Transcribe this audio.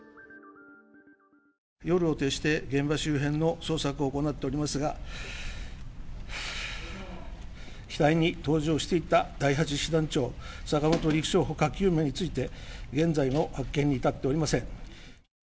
夜を徹して、現場周辺の捜索を行っておりますが、機体に搭乗していた第８師団長、坂本陸将ほか９名について、現在も発見に至っておりません。